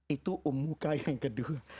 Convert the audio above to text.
itu ummukah yang kedua